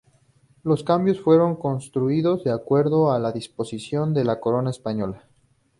Los caminos fueron construidos de acuerdo a la disposición de la corona española.